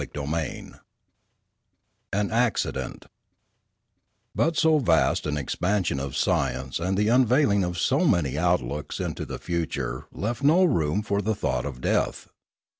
CHAPTER II AN ACCIDENT BUT so vast an expansion of science and the un veiling of so many outlooks into the future left no room for the thought of death.